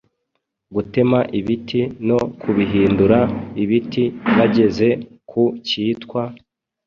gutema ibiti no kubihindura ibiti Bageze ku kirwa